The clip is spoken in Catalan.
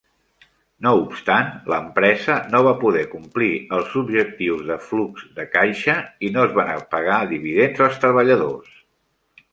No obstant, l'empresa no va poder complir els objectius de flux de caixa i no es van pagar dividends als treballadors.